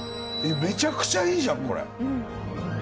めちゃくちゃいいじゃんこれ。